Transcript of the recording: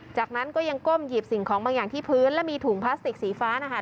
จากนั้นก็ยังก้มหยิบสิ่งของบางอย่างที่พื้นและมีถุงพลาสติกสีฟ้านะคะ